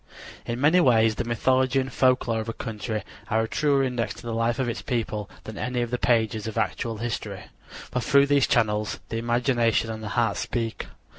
In many ways the mythology and folklore of a country are a truer index to the life of its people than any of the pages of actual history; for through these channels the imagination and the heart speak.